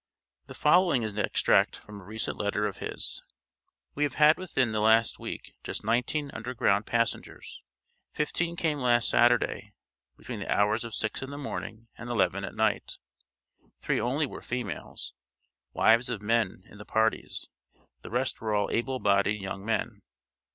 The following is an extract from a recent letter of his: "We have had within the last week just nineteen Underground passengers. Fifteen came last Saturday, between the hours of six in the morning and eleven at night. Three only were females, wives of men in the parties, the rest were all able bodied young men.